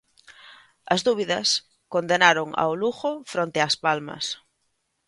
As dúbidas condenaron ao Lugo fronte Ás Palmas.